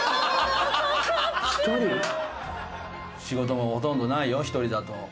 「仕事もほとんどないよ１人だと」。